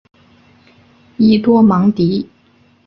伊多芒迪。